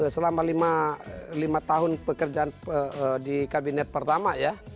selama lima tahun pekerjaan di kabinet pertama ya